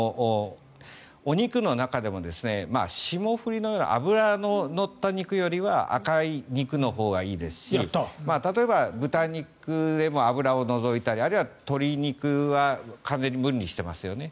お肉の中でも霜降りのような脂の乗った肉よりは赤い肉のほうがいいですし例えば、豚肉でも脂を除いたりあるいは鶏肉は完全に分離してますよね。